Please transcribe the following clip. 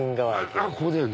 あっここだよね。